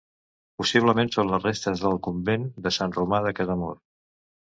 Possiblement són les restes del convent de Sant Romà de Casamor.